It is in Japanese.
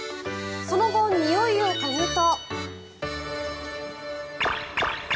その後、においを嗅ぐと。